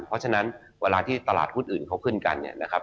เพราะฉะนั้นเวลาที่ตลาดหุ้นอื่นเขาขึ้นกันเนี่ยนะครับ